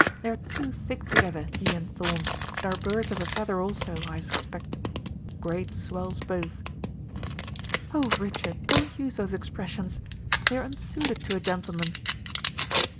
They are too thick together, he and Thorn, and are birds of a feather also, I suspect. Great swells both." "Oh, Richard don't use those expressions. They are unsuited to a gentleman."